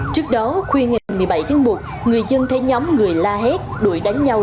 trước đó khuya ngày một mươi bảy tháng một người dân thấy nhóm người la hét đuổi đánh nhau